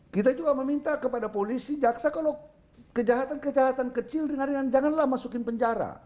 kita juga meminta kepada polisi jaksa kalau kejahatan kejahatan kecil dengan janganlah masukin penjara